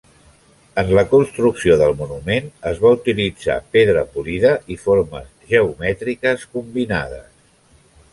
En la construcció del monument es va utilitzar pedra polida i formes geomètriques combinades.